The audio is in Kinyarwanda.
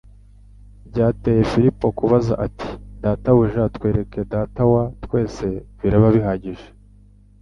byateye Filipo kubaza ati : "Databuja twereke Data wa twese biraba bihagije'."